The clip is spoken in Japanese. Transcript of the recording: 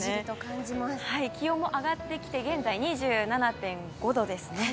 気温も上がってきて現在、２７．５度ですね。